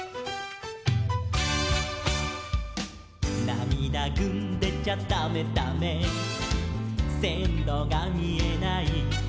「なみだぐんでちゃだめだめ」「せんろがみえない」